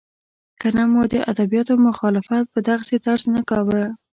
که نه مو د ادبیاتو مخالفت په دغسې طرز نه کاوه.